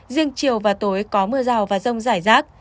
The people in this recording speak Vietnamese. riêng chiều và tối có mưa rào và rông rải rác